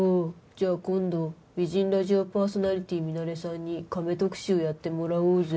じゃあ今度美人ラジオパーソナリティーミナレさんに亀特集やってもらおうぜ」